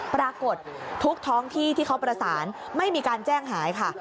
ปรากฏทุกท้องที่ที่เขาประสานไม่มีการแจ้งหายค่ะ